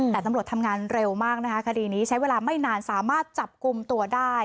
แต่ตำรวจทำงานเร็วมากนะคะคดีนี้ใช้เวลาไม่นานสามารถจับกลุ่มตัวได้